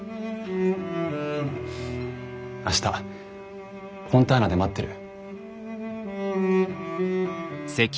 明日フォンターナで待ってる。